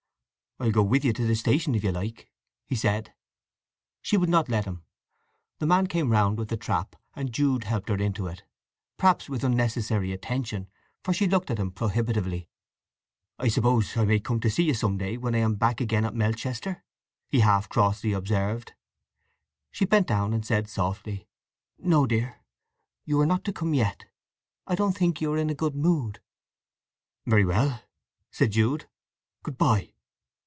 "I'll go with you to the station, if you'd like?" he said. She would not let him. The man came round with the trap, and Jude helped her into it, perhaps with unnecessary attention, for she looked at him prohibitively. "I suppose—I may come to see you some day, when I am back again at Melchester?" he half crossly observed. She bent down and said softly: "No, dear—you are not to come yet. I don't think you are in a good mood." "Very well," said Jude. "Good bye!"